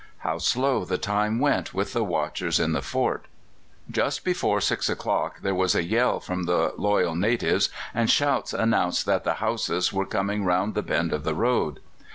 How slow the time went with the watchers in the fort! Just before six o'clock there was a yell from the loyal natives, and shouts announced that the Hausas were coming round the bend of the road.